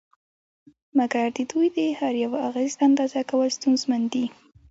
مګر د دوی د هر یوه اغېز اندازه کول ستونزمن دي